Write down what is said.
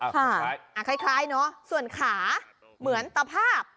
คล้ายเนอะส่วนขาเหมือนตภาพ